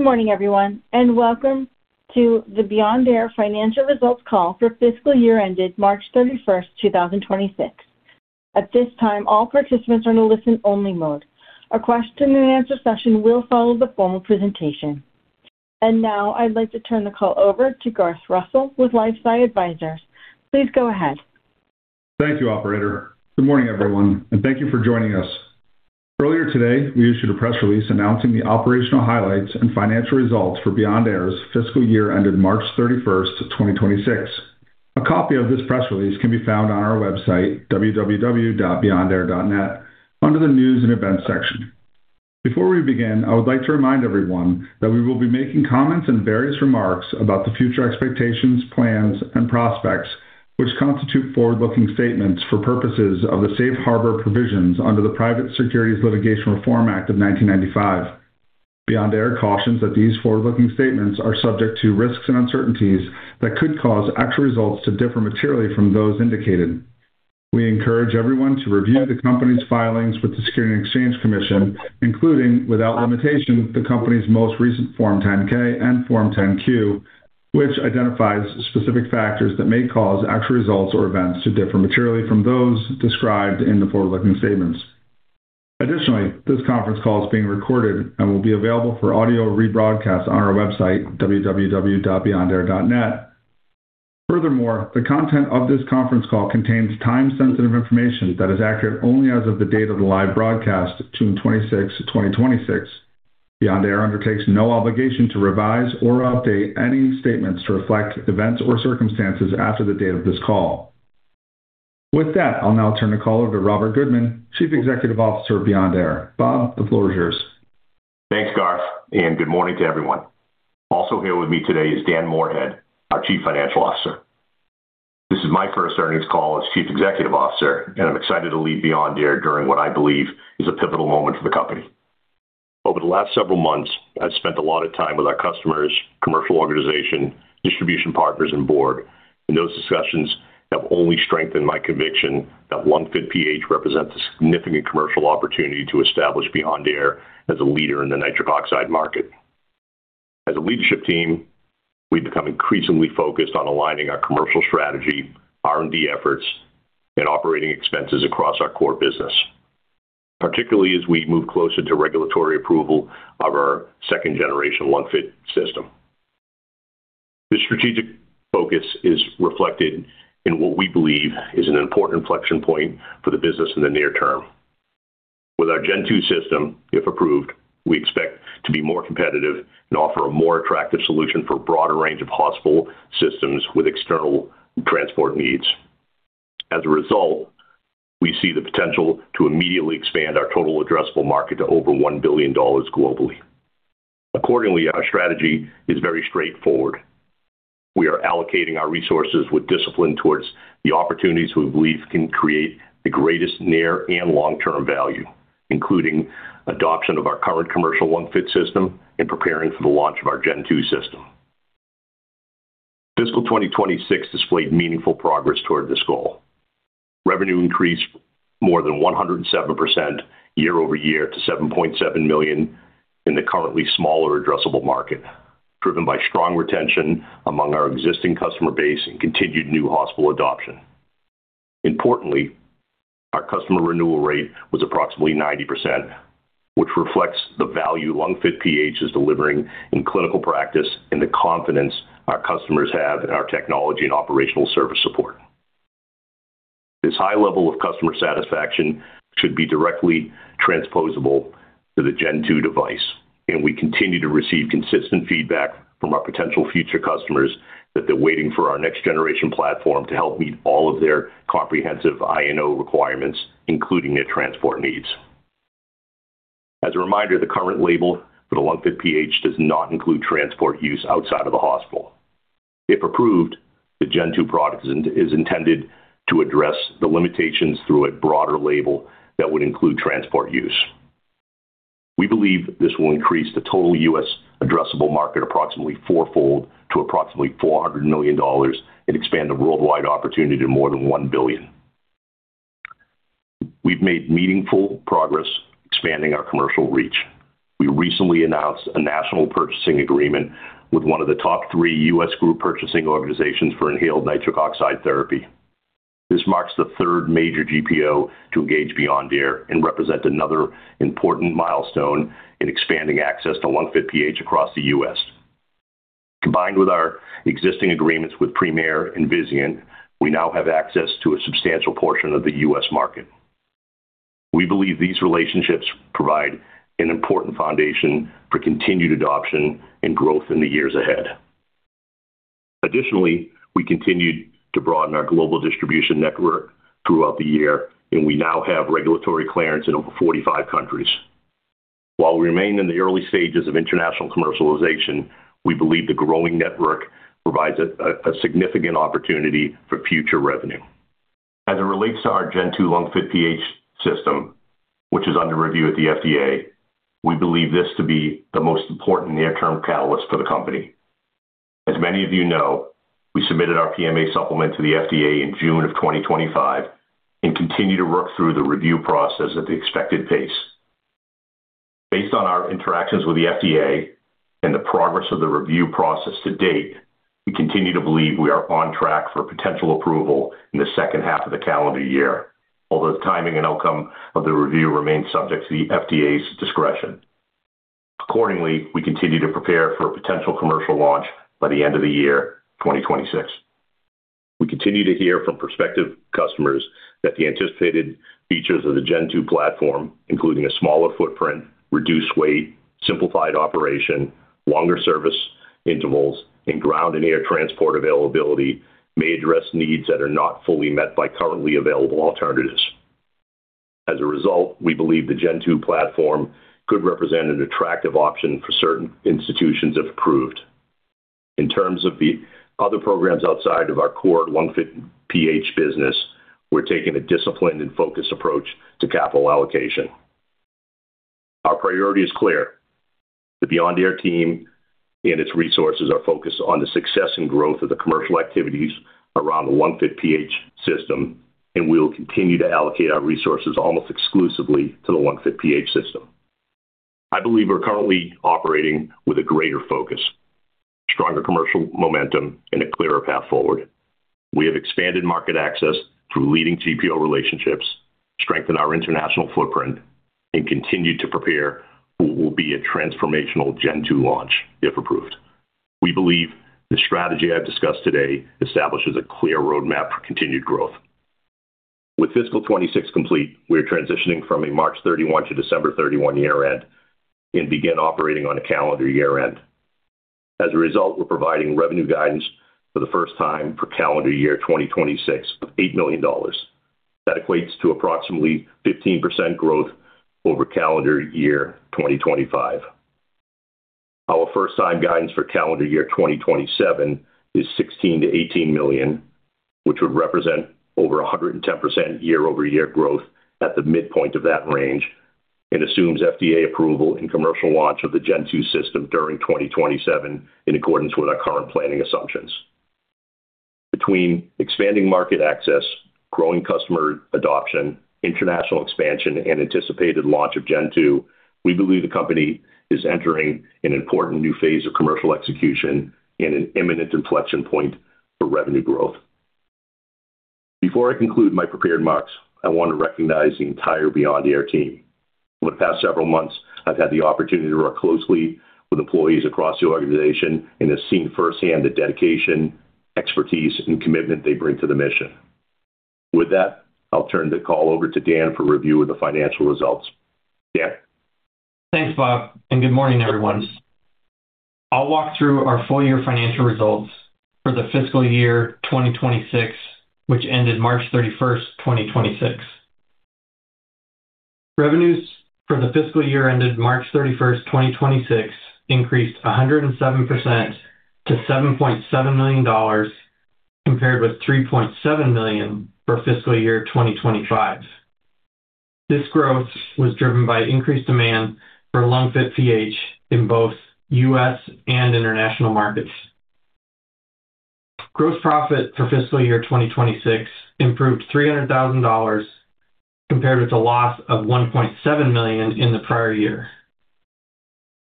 Morning everyone, and welcome to the Beyond Air financial results call for fiscal year ended March 31st, 2026. At this time, all participants are in a listen-only mode. A question-and-answer session will follow the formal presentation. Now I'd like to turn the call over to Garth Russell with LifeSci Advisors. Please go ahead. Thank you, operator. Good morning, everyone, and thank you for joining us. Earlier today, we issued a press release announcing the operational highlights and financial results for Beyond Air's fiscal year ended March 31st, 2026. A copy of this press release can be found on our website, www.beyondair.net, under the News and Events section. Before we begin, I would like to remind everyone that we will be making comments and various remarks about the future expectations, plans and prospects which constitute forward-looking statements for purposes of the safe harbor provisions under the Private Securities Litigation Reform Act of 1995. Beyond Air cautions that these forward-looking statements are subject to risks and uncertainties that could cause actual results to differ materially from those indicated. We encourage everyone to review the company's filings with the Securities and Exchange Commission, including, without limitation, the company's most recent Form 10-K and Form 10-Q, which identifies specific factors that may cause actual results or events to differ materially from those described in the forward-looking statements. Additionally, this conference call is being recorded and will be available for audio rebroadcast on our website, www.beyondair.net. Furthermore, the content of this conference call contains time-sensitive information that is accurate only as of the date of the live broadcast, June 26, 2026. Beyond Air undertakes no obligation to revise or update any statements to reflect events or circumstances after the date of this call. With that, I'll now turn the call over to Robert Goodman, Chief Executive Officer of Beyond Air. Bob, the floor is yours. Thanks, Garth, and good morning to everyone. Also here with me today is Dan Moorhead, our Chief Financial Officer. This is my first earnings call as Chief Executive Officer, and I'm excited to lead Beyond Air during what I believe is a pivotal moment for the company. Over the last several months, I've spent a lot of time with our customers, commercial organization, distribution partners and board, and those discussions have only strengthened my conviction that LungFit PH represents a significant commercial opportunity to establish Beyond Air as a leader in the nitric oxide market. As a leadership team, we've become increasingly focused on aligning our commercial strategy, R&D efforts, and operating expenses across our core business, particularly as we move closer to regulatory approval of our second-generation LungFit system. This strategic focus is reflected in what we believe is an important inflection point for the business in the near term. With our Gen 2 system, if approved, we expect to be more competitive and offer a more attractive solution for a broader range of hospital systems with external transport needs. As a result, we see the potential to immediately expand our total addressable market to over $1 billion globally. Accordingly, our strategy is very straightforward. We are allocating our resources with discipline towards the opportunities we believe can create the greatest near and long-term value, including adoption of our current commercial LungFit system and preparing for the launch of our Gen 2 system. Fiscal 2026 displayed meaningful progress toward this goal. Revenue increased more than 107% year-over-year to $7.7 million in the currently smaller addressable market, driven by strong retention among our existing customer base and continued new hospital adoption. Importantly, our customer renewal rate was approximately 90%, which reflects the value LungFit PH is delivering in clinical practice and the confidence our customers have in our technology and operational service support. This high level of customer satisfaction should be directly transposable to the Gen 2 device, and we continue to receive consistent feedback from our potential future customers that they're waiting for our next generation platform to help meet all of their comprehensive INO requirements, including their transport needs. As a reminder, the current label for the LungFit PH does not include transport use outside of the hospital. If approved, the Gen 2 product is intended to address the limitations through a broader label that would include transport use. We believe this will increase the total U.S. addressable market approximately four-fold to approximately $400 million and expand the worldwide opportunity to more than $1 billion. We've made meaningful progress expanding our commercial reach. We recently announced a national purchasing agreement with one of the top three U.S. group purchasing organizations for inhaled nitric oxide therapy. This marks the third major GPO to engage Beyond Air and represents another important milestone in expanding access to LungFit PH across the U.S. Combined with our existing agreements with Premier and Vizient, we now have access to a substantial portion of the U.S. market. We believe these relationships provide an important foundation for continued adoption and growth in the years ahead. Additionally, we continued to broaden our global distribution network throughout the year, and we now have regulatory clearance in over 45 countries. While we remain in the early stages of international commercialization, we believe the growing network provides a significant opportunity for future revenue. As it relates to our Gen 2 LungFit PH system, which is under review at the FDA, we believe this to be the most important near-term catalyst for the company. As many of you know, we submitted our PMA supplement to the FDA in June of 2025 and continue to work through the review process at the expected pace. Based on our interactions with the FDA and the progress of the review process to date, we continue to believe we are on track for potential approval in the second half of the calendar year, although the timing and outcome of the review remains subject to the FDA's discretion. Accordingly, we continue to prepare for a potential commercial launch by the end of the year 2026. We continue to hear from prospective customers that the anticipated features of the Gen 2 platform, including a smaller footprint, reduced weight, simplified operation, longer service intervals, and ground and air transport availability, may address needs that are not fully met by currently available alternatives. As a result, we believe the Gen 2 platform could represent an attractive option for certain institutions if approved. In terms of the other programs outside of our core LungFit PH business, we're taking a disciplined and focused approach to capital allocation. Our priority is clear. The Beyond Air team and its resources are focused on the success and growth of the commercial activities around the LungFit PH system, and we will continue to allocate our resources almost exclusively to the LungFit PH system. I believe we're currently operating with a greater focus, stronger commercial momentum, and a clearer path forward. We have expanded market access through leading GPO relationships, strengthened our international footprint, and continued to prepare for what will be a transformational Gen 2 launch if approved. We believe the strategy I've discussed today establishes a clear roadmap for continued growth. With fiscal 2026 complete, we are transitioning from a March 31 to December 31 year-end and begin operating on a calendar year-end. As a result, we're providing revenue guidance for the first time for calendar year 2026 of $8 million. That equates to approximately 15% growth over calendar year 2025. Our first-time guidance for calendar year 2027 is $16 million-$18 million, which would represent over 110% year-over-year growth at the midpoint of that range and assumes FDA approval and commercial launch of the Gen 2 system during 2027, in accordance with our current planning assumptions. Between expanding market access, growing customer adoption, international expansion, and anticipated launch of Gen 2, we believe the company is entering an important new phase of commercial execution and an imminent inflection point for revenue growth. Before I conclude my prepared remarks, I want to recognize the entire Beyond Air team. Over the past several months, I've had the opportunity to work closely with employees across the organization and have seen firsthand the dedication, expertise, and commitment they bring to the mission. With that, I'll turn the call over to Dan for review of the financial results. Dan? Thanks, Bob, and good morning, everyone. I'll walk through our full-year financial results for the fiscal year 2026, which ended March 31st, 2026. Revenues for the fiscal year ended March 31st, 2026, increased 107% to $7.7 million, compared with $3.7 million for fiscal year 2025. This growth was driven by increased demand for LungFit PH in both U.S. and international markets. Gross profit for fiscal year 2026 improved $300,000, compared with a loss of $1.7 million in the prior year.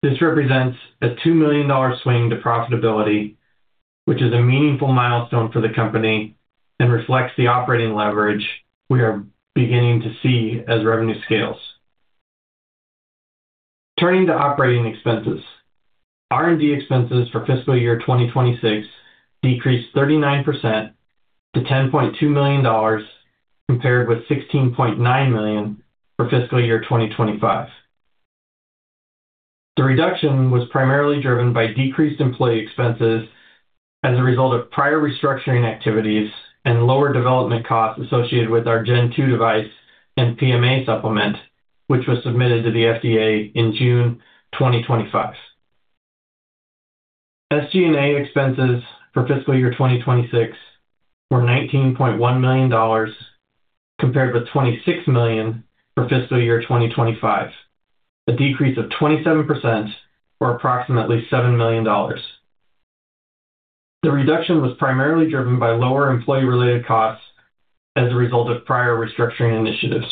This represents a $2 million swing to profitability, which is a meaningful milestone for the company and reflects the operating leverage we are beginning to see as revenue scales. Turning to operating expenses. R&D expenses for fiscal year 2026 decreased 39% to $10.2 million, compared with $16.9 million for fiscal year 2025. The reduction was primarily driven by decreased employee expenses as a result of prior restructuring activities and lower development costs associated with our Gen 2 device and PMA supplement, which was submitted to the FDA in June 2025. SG&A expenses for fiscal year 2026 were $19.1 million, compared with $26 million for fiscal year 2025, a decrease of 27%, or approximately $7 million. The reduction was primarily driven by lower employee-related costs as a result of prior restructuring initiatives.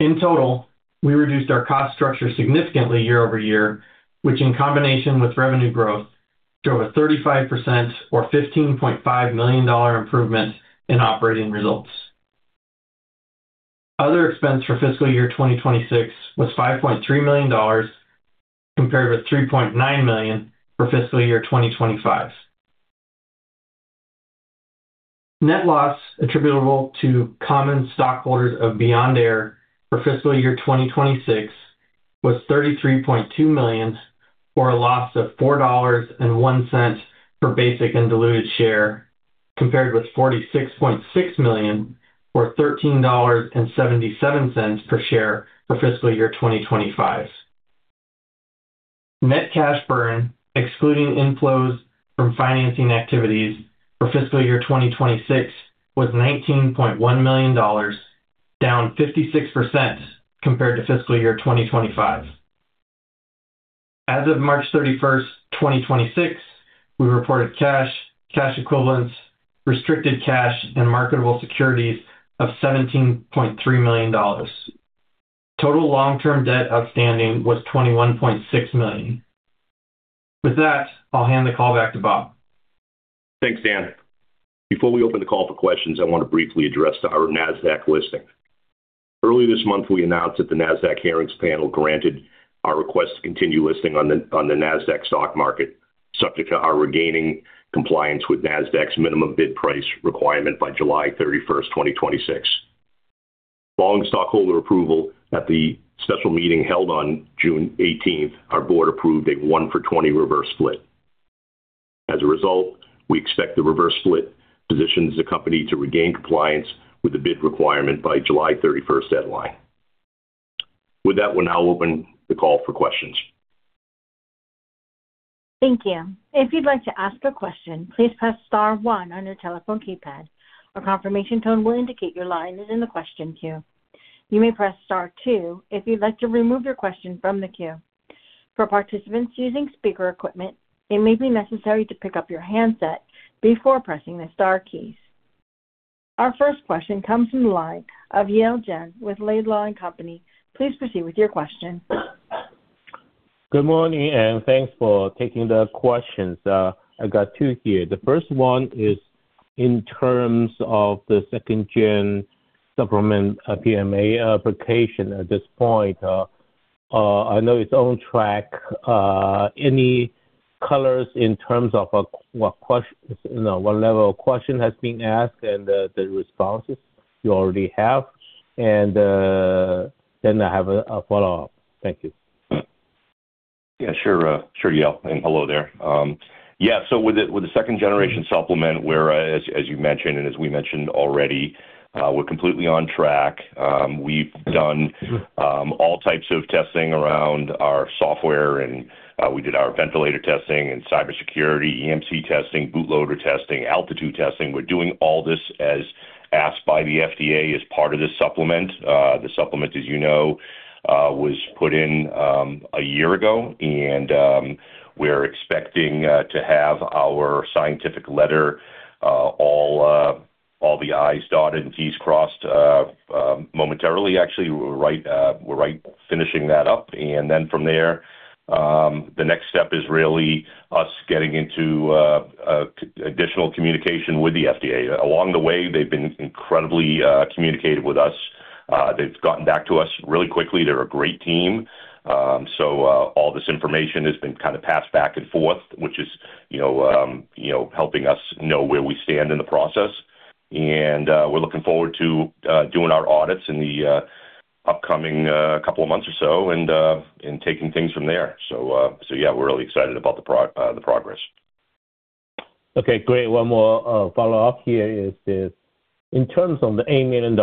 In total, we reduced our cost structure significantly year-over-year, which, in combination with revenue growth, drove a 35%, or $15.5 million, improvement in operating results. Other expense for fiscal year 2026 was $5.3 million, compared with $3.9 million for fiscal year 2025. Net loss attributable to common stockholders of Beyond Air for fiscal year 2026 was $33.2 million, or a loss of $4.01 for basic and diluted share, compared with $46.6 million, or $13.77 per share for fiscal year 2025. Net cash burn, excluding inflows from financing activities for fiscal year 2026, was $19.1 million. Down 56% compared to fiscal year 2025. As of March 31st, 2026, we reported cash equivalents, restricted cash, and marketable securities of $17.3 million. Total long-term debt outstanding was $21.6 million. With that, I'll hand the call back to Bob. Thanks, Dan. Before we open the call for questions, I want to briefly address our Nasdaq listing. Early this month, we announced that the Nasdaq hearings panel granted our request to continue listing on the Nasdaq stock market, subject to our regaining compliance with Nasdaq's minimum bid price requirement by July 31st, 2026. Following stockholder approval at the special meeting held on June 18th, our board approved a one for 20 reverse split. As a result, we expect the reverse split positions the company to regain compliance with the bid requirement by July 31st deadline. With that, we'll now open the call for questions. Thank you. If you'd like to ask a question, please press star one on your telephone keypad. A confirmation tone will indicate your line is in the question queue. You may press star two if you'd like to remove your question from the queue. For participants using speaker equipment, it may be necessary to pick up your handset before pressing the star keys. Our first question comes from the line of Yale Jen with Laidlaw & Company. Please proceed with your question. Good morning. Thanks for taking the questions. I got two here. The first one is in terms of the second-gen supplement, PMA application. At this point, I know it's on track. Any colors in terms of what level of question has been asked and the responses you already have? I have a follow-up. Thank you. Sure Yale. Hello there. With the second-generation supplement, as you mentioned, as we mentioned already, we're completely on track. We've done all types of testing around our software. We did our ventilator testing and cybersecurity, EMC testing, bootloader testing, altitude testing. We're doing all this as asked by the FDA as part of this supplement. The supplement, as you know, was put in a year ago and we're expecting to have our scientific letter, all the I's dotted and T's crossed momentarily, actually. We're right finishing that up. From there, the next step is really us getting into additional communication with the FDA. Along the way, they've been incredibly communicative with us. They've gotten back to us really quickly. They're a great team. All this information has been kind of passed back and forth, which is helping us know where we stand in the process. We're looking forward to doing our audits in the upcoming couple of months or so and taking things from there. We're really excited about the progress. Okay, great. One more follow-up here is this. In terms of the $8 million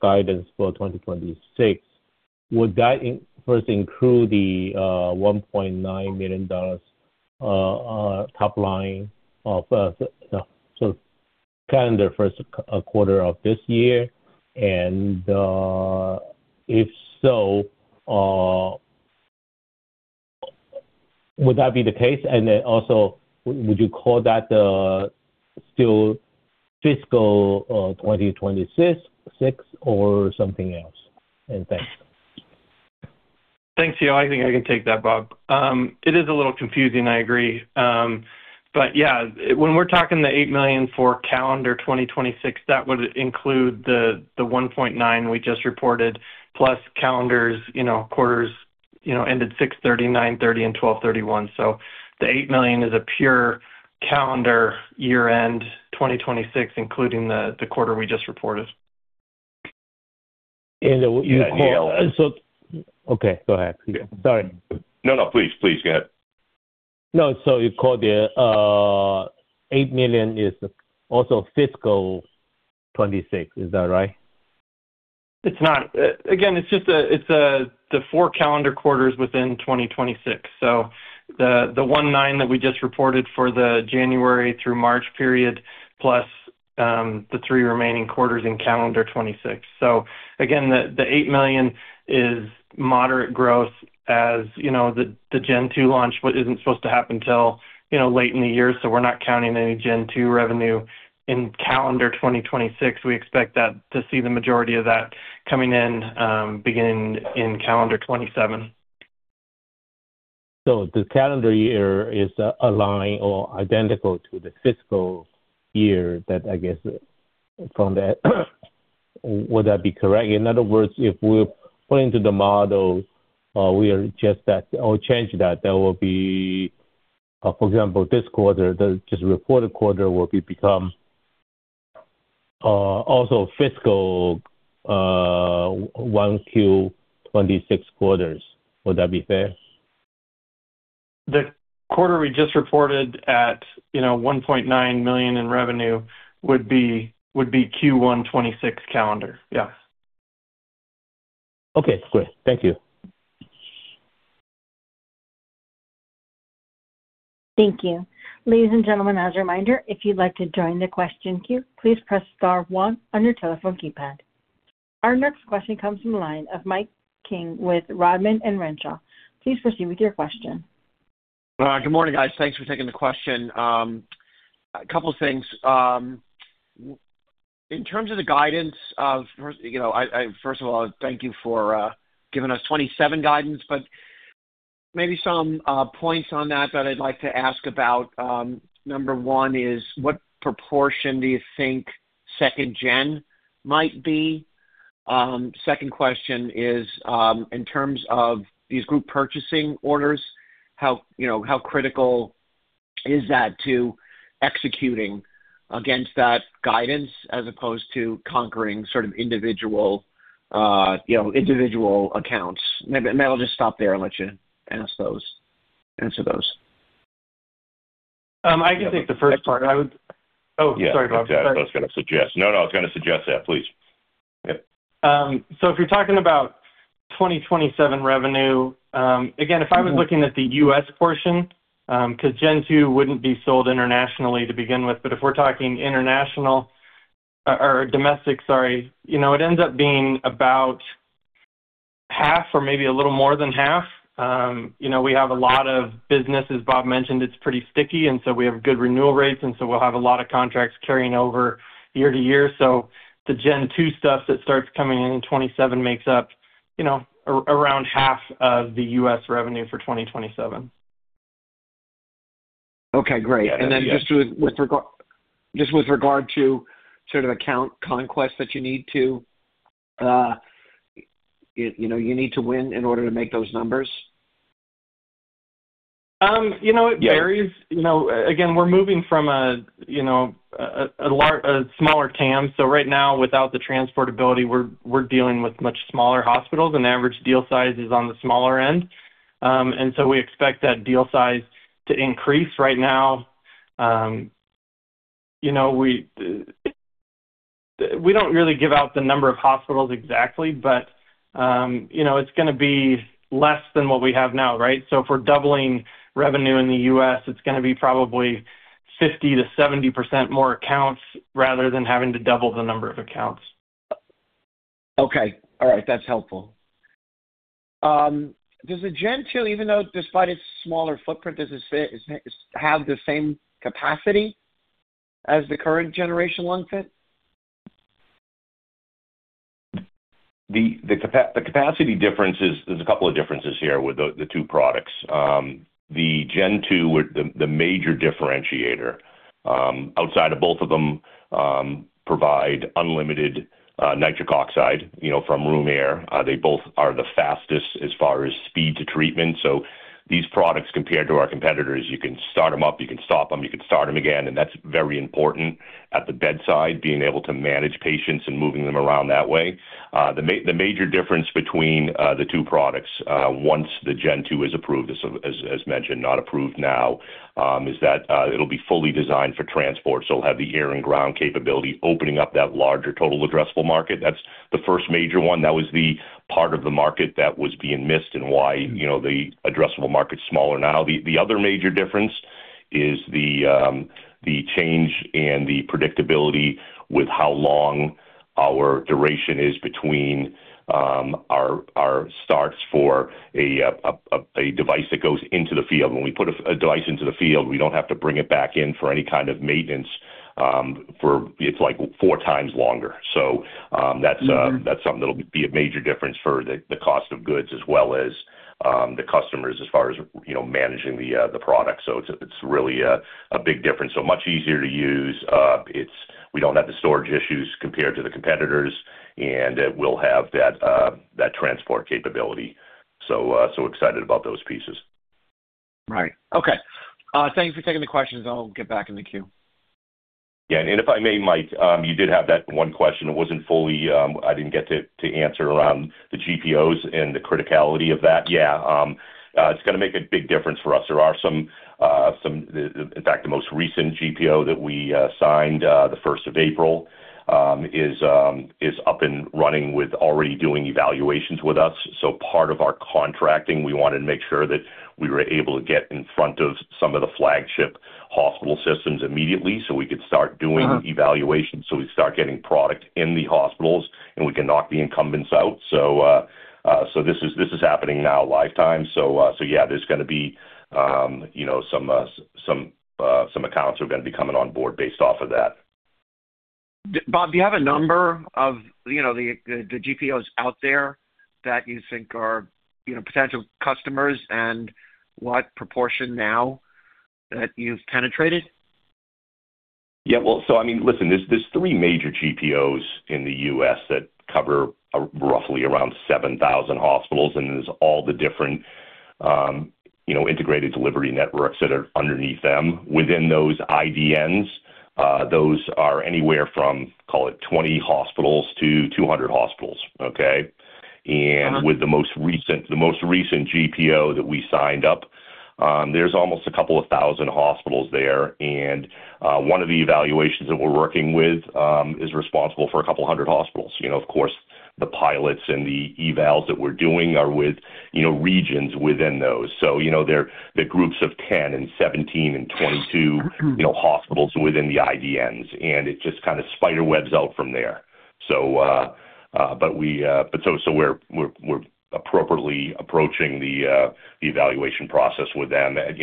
guidance for 2026, would that first include the $1.9 million top line of sort of calendar first quarter of this year, and if so, would that be the case? Also, would you call that still fiscal 2026 or something else? Thanks. Thanks, Yale. I think I can take that, Bob. It is a little confusing, I agree. When we're talking the $8 million for calendar 2026, that would include the $1.9 million we just reported, plus calendars quarters ended 6/30, 9/30, and 12/31. The $8 million is a pure calendar year-end 2026, including the quarter we just reported. You call- Yeah, Yale. Okay, go ahead. Sorry. No, no. Please, go ahead. No, you call the $8 million is also fiscal 2026, is that right? It's not. Again, it's the four calendar quarters within 2026. The $1.9 million that we just reported for the January through March period, plus the three remaining quarters in calendar 2026. Again, the $8 million is moderate growth. As you know, the Gen 2 launch isn't supposed to happen till late in the year, so we're not counting any Gen 2 revenue in calendar 2026. We expect to see the majority of that coming in beginning in calendar 2027. The calendar year is aligned or identical to the fiscal year that I guess from that would that be correct? In other words, if we put into the model, we are just that or change that, there will be, for example, this quarter, the just reported quarter will become also fiscal Q1 2026 quarters. Would that be fair? The quarter we just reported at $1.9 million in revenue would be Q1 2026 calendar. Yes. Okay, great. Thank you. Thank you. Ladies and gentlemen, as a reminder, if you'd like to join the question queue, please press star one on your telephone keypad. Our next question comes from the line of Mike King with Rodman & Renshaw. Please proceed with your question. Good morning, guys. Thanks for taking the question. A couple things. In terms of the guidance of, first of all, thank you for giving us 2027 guidance. Maybe some points on that that I'd like to ask about, number one is what proportion do you think second Gen might be? Second question is, in terms of these group purchasing orders, how critical is that to executing against that guidance as opposed to conquering sort of individual accounts? I'll just stop there and let you answer those. I can take the first part. Oh, sorry, Bob. Sorry. That's what I was going to suggest. I was going to suggest that, please. Okay. If you're talking about 2027 revenue, again, if I was looking at the U.S. portion, because Gen 2 wouldn't be sold internationally to begin with, if we're talking international or domestic, sorry, it ends up being about half or maybe a little more than half. We have a lot of business. As Bob mentioned, it's pretty sticky. We have good renewal rates. We'll have a lot of contracts carrying over year to year. The Gen 2 stuff that starts coming in in 2027 makes up around half of the U.S. revenue for 2027. Okay, great. Just with regard to sort of account conquest that you need to win in order to make those numbers? It varies. Again, we're moving from a smaller TAM. Right now, without the transportability, we're dealing with much smaller hospitals, and average deal size is on the smaller end. We expect that deal size to increase right now. We don't really give out the number of hospitals exactly, but it's going to be less than what we have now, right? If we're doubling revenue in the U.S., it's going to be probably 50%-70% more accounts rather than having to double the number of accounts. Okay. All right. That's helpful. Does the Gen 2, even though despite its smaller footprint, does it have the same capacity as the current generation LungFit? The capacity difference is, there's a couple of differences here with the two products. The Gen 2, the major differentiator, outside of both of them provide unlimited nitric oxide from room air. They both are the fastest as far as speed to treatment. These products, compared to our competitors, you can start them up, you can stop them, you can start them again, and that's very important at the bedside, being able to manage patients and moving them around that way. The major difference between the two products, once the Gen 2 is approved, as mentioned, not approved now, is that it'll be fully designed for transport, so it'll have the air and ground capability, opening up that larger total addressable market. That's the first major one. That was the part of the market that was being missed and why the addressable market's smaller now. The other major difference is the change in the predictability with how long our duration is between our starts for a device that goes into the field. When we put a device into the field, we don't have to bring it back in for any kind of maintenance for, it's like four times longer. That's something that'll be a major difference for the cost of goods as well as the customers as far as managing the product. It's really a big difference. Much easier to use. We don't have the storage issues compared to the competitors, and it will have that transport capability. Excited about those pieces. Right. Okay. Thanks for taking the questions, and I'll get back in the queue. Yeah. If I may, Mike, you did have that one question that I didn't get to answer around the GPOs and the criticality of that. Yeah. It's going to make a big difference for us. There are some, in fact, the most recent GPO that we signed, the 1st of April, is up and running with already doing evaluations with us. Part of our contracting, we wanted to make sure that we were able to get in front of some of the flagship hospital systems immediately so we could start doing evaluations, so we start getting product in the hospitals, and we can knock the incumbents out. This is happening now lifetime. Yeah, there's going to be some accounts are going to be coming on board based off of that. Bob, do you have a number of the GPOs out there that you think are potential customers and what proportion now that you've penetrated? Yeah. Well, listen, there's three major GPOs in the U.S. that cover roughly around 7,000 hospitals, and there's all the different integrated delivery networks that are underneath them. Within those IDNs, those are anywhere from, call it, 20 hospitals to 200 hospitals. Okay? With the most recent GPO that we signed up, there's almost 2,000 hospitals there. One of the evaluations that we're working with is responsible for 200 hospitals. Of course, the pilots and the evals that we're doing are with regions within those. They're groups of 10 and 17 and 22 hospitals within the IDNs, and it just kind of spider webs out from there. We're appropriately approaching the evaluation process with them at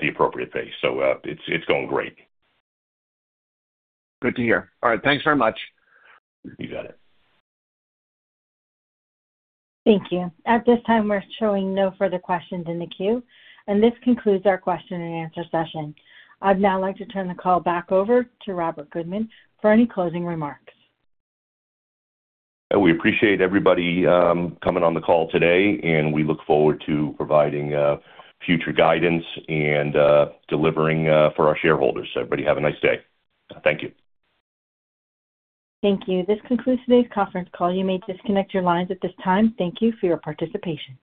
the appropriate pace. It's going great. Good to hear. All right. Thanks very much. You got it. Thank you. At this time, we're showing no further questions in the queue, and this concludes our question-and-answer session. I'd now like to turn the call back over to Robert Goodman for any closing remarks. We appreciate everybody coming on the call today, and we look forward to providing future guidance and delivering for our shareholders. Everybody have a nice day. Thank you. Thank you. This concludes today's conference call. You may disconnect your lines at this time. Thank you for your participation.